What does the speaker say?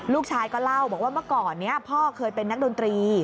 ลูกชายก็เล่าบอกว่าเมื่อก่อนนี้พ่อเคยเป็นนักดนตรี